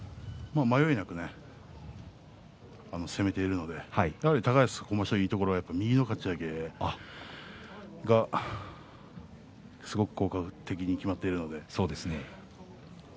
迷いなく攻めているので高安、今場所には右のかち上げそれが効果的にきまっているので。